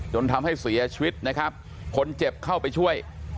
จนทำให้เสียชีวิตนะครับคนเจ็บเข้าไปช่วย